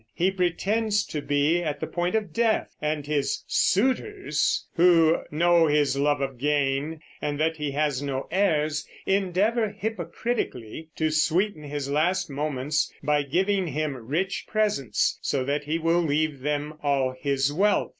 He pretends to be at the point of death, and his "suitors," who know his love of gain and that he has no heirs, endeavor hypocritically to sweeten his last moments by giving him rich presents, so that he will leave them all his wealth.